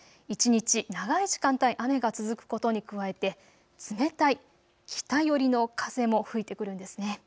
一日長い時間帯、雨が続くことに加えて冷たい北寄り風も吹いてくるんですね。